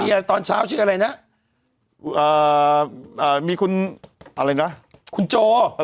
มีตอนเช้าชื่ออะไรนะเอ่อเอ่อมีคุณอะไรนะคุณโจเอ่อ